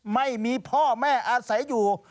ไม่มีพ่อแม่อาศัยอยู่